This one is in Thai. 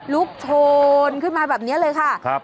ลุกโทนขึ้นมาแบบนี้เลยค่ะครับ